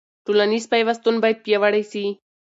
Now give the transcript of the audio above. ټولنیز پیوستون باید پیاوړی سي.